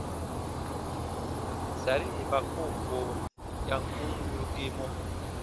Sari yè ba koo ko ya kun wirugii mɔ.